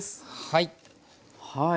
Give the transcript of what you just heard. はい。